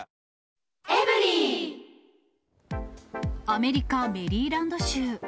アメリカ・メリーランド州。